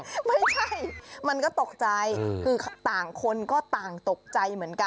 ไม่ใช่มันก็ตกใจคือต่างคนก็ต่างตกใจเหมือนกัน